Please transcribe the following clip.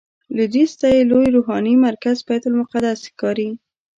لویدیځ ته یې لوی روحاني مرکز بیت المقدس ښکاري.